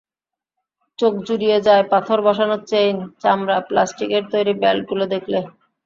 চোখ জুড়িয়ে যায় পাথর বসানো চেইন, চামড়া, প্লাস্টিকের তৈরি বেল্টগুলো দেখলে।